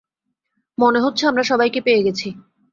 মনে হচ্ছে আমরা সবাইকে পেয়ে গেছি।